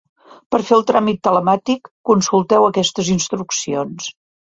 Per fer el tràmit telemàtic consulteu aquestes instruccions.